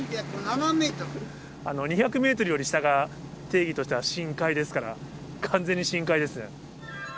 ２００メートルより下が定義としては深海ですから、完全に深海ですね。